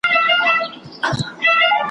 راغی چي په خوب کي مي لیدلی وو زلمی پښتون ,